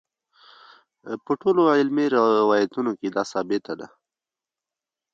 په ټولو علمي روایتونو کې دا ثابته ده.